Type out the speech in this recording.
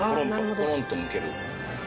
コロンと向ける。